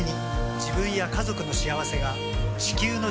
自分や家族の幸せが地球の幸せにつながっている。